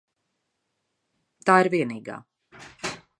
Tā ir vienīgā.